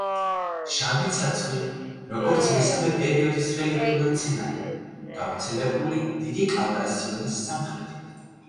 შავი ცაცხვი, როგორც მესამე პერიოდის რელიქტური მცენარე, გავრცელებული დიდი კავკასიონის სამხრეთით.